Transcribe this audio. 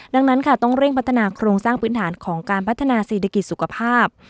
ดังนั้นค่ะต้องเร่งพัฒนาโครงสร้างพื้นฐานของการพัฒนาเศรษฐกิจสุขภาพ